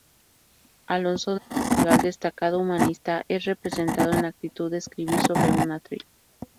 Alonso de Madrigal, destacado humanista, es representado en actitud de escribir sobre un atril.